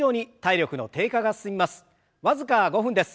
僅か５分です。